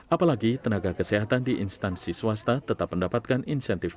apalagi tenaga kesehatan di instansi swasta tetap mendapatkan insentif